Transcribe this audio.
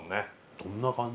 どんな感じ？